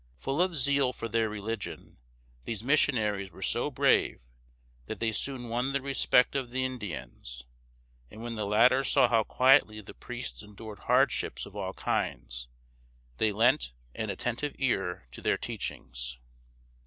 Full of zeal for their religion, these missionaries were so brave that they soon won the respect of the Indians; and when the latter saw how quietly the priests endured hardships of all kinds, they lent an attentive ear to their teachings.